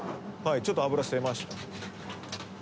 ちょっと油捨てました。